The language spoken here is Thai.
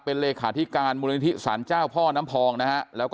เป็นเลขาธิการมูลนิธิสารเจ้าพ่อน้ำพองนะฮะแล้วก็